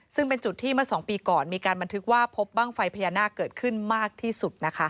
ซึ่งเป็นจุดที่เมื่อ๒ปีก่อนมีการบันทึกว่าพบบ้างไฟพญานาคเกิดขึ้นมากที่สุดนะคะ